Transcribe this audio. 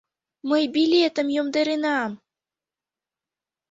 — Мый билетым йомдаренам!